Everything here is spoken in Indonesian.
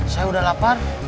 saya udah lapar